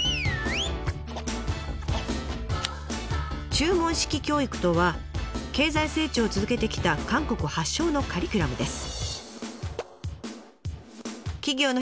「注文式教育」とは経済成長を続けてきた韓国発祥のカリキュラムです。